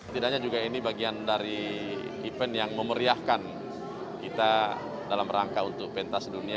tidaknya juga ini bagian dari event yang memeriahkan kita dalam rangka untuk pentas dunia